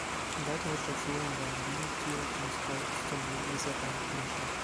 Weitere Stationen waren Wien, Zürich, Moskau, Istanbul, Lissabon, München.